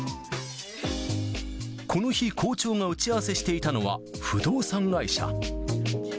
この日、校長が打ち合わせしていたのは、不動産会社。